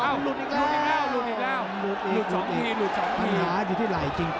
อ้าวหลุดอีกแล้วหลุดอีกแล้ว